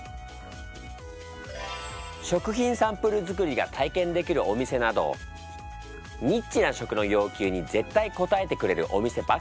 食品サンプル作りが体験できるお店などニッチな食の要求に絶対応えてくれるお店ばかり。